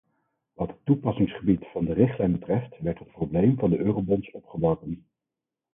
Wat het toepassingsgebied van de richtlijn betreft, werd het probleem van de eurobonds opgeworpen.